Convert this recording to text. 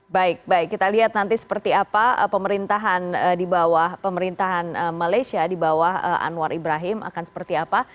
baik baik kita lihat nanti seperti apa pemerintahan di bawah pemerintahan malaysia di bawah anwar ibrahim akan seperti apa